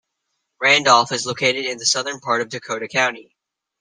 Randolph is located in the southern part of Dakota County.